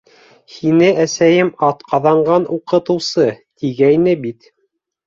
— Һине әсәйем атҡаҙанған уҡытыусы, тигәйне бит.